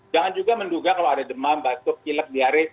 jangan juga menduga kalau ada demam batuk kilak diare